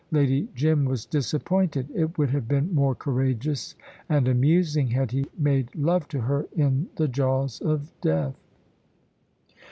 Lady Jim was disappointed. It would have been more courageous and amusing had he made love to her in the jaws of death.